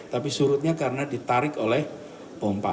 tapi surutnya karena ditarik oleh pompa